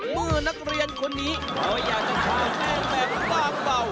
เมื่อนักเรียนคนนี้เขาอยากจะฆ่าแป้งแบบบางเบา